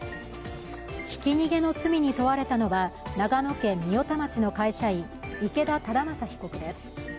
ひき逃げの罪に問われたのは長野県御代田町の会社員、池田忠正被告です。